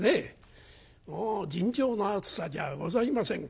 もう尋常な暑さじゃございませんから。